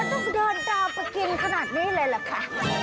ต้องเดินดาวปะกินขนาดนี้เลยล่ะค่ะ